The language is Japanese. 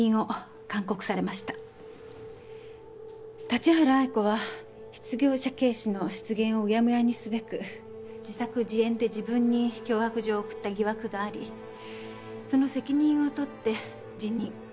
立原愛子は失業者軽視の失言をうやむやにすべく自作自演で自分に脅迫状を送った疑惑がありその責任を取って辞任。